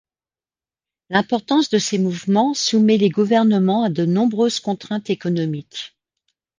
L'importance de ces mouvements soumet les gouvernements à de nombreuses contraintes économiques.